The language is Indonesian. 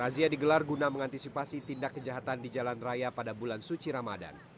razia digelar guna mengantisipasi tindak kejahatan di jalan raya pada bulan suci ramadan